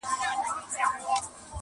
چي په منځ کي د همزولو وه ولاړه -